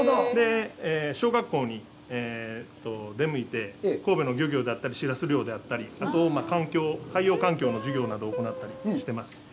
小学校に出向いて、神戸の漁業であったり、しらす漁であったり、あと、海洋環境の授業を行ったりしています。